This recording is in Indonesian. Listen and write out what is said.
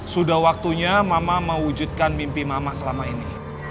sudah waktunya mama mewujudkan mimpi mama selama ini